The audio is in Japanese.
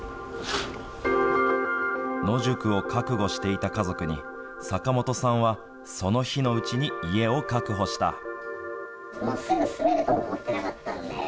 野宿を覚悟していた家族に、坂本さんはその日のうちに家を確保した。